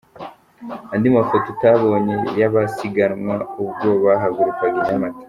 Andi mafoto utabonye y’abasiganwa ubwo bahagurukaga i Nyamata.